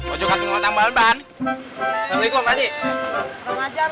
pojokan tengah tamu kan